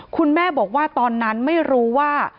คุณแม่บอกว่าตอนนั้นไม่รู้ว่า